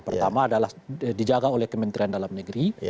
pertama adalah dijaga oleh kementerian dalam negeri